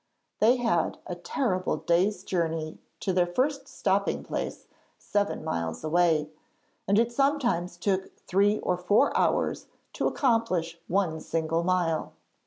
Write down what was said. They had a terrible day's journey to their first stopping place seven miles away, and it sometimes took three or four hours to accomplish one single mile.